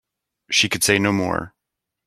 She could say no more.